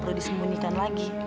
perlu disembunyikan lagi